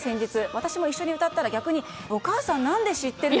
私も一緒に歌ったら逆にお母さん何で知ってるの？